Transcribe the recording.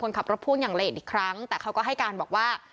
คนขับรับพุ่งอย่างเล่นอีกครั้งแต่เขาก็ให้การบอกว่า